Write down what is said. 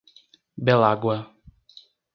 Belágua